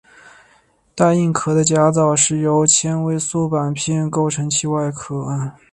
带硬壳的甲藻是由纤维素板片构成其外壳。